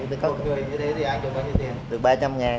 một người như thế thì ai thu bao nhiêu tiền